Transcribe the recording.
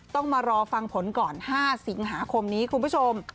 ต้องมารอฟังผลก่อน๕สิงหาคมนี้คุณผู้ชม